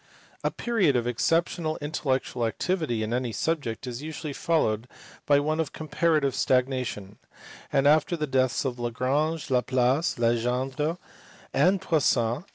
A period of exceptional intellectual activity in any subject is usually followed by one of comparative stagnation ; and after the deaths of Lagrange, Laplace, Legendre, and Poisson GAUSS.